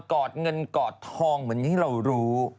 อดเงินกอดทองเหมือนที่เรารู้